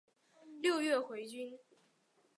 六月回军。